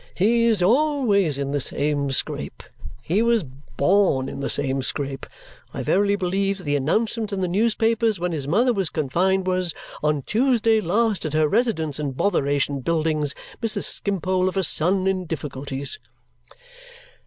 "He's always in the same scrape. He was born in the same scrape. I verily believe that the announcement in the newspapers when his mother was confined was 'On Tuesday last, at her residence in Botheration Buildings, Mrs. Skimpole of a son in difficulties.'"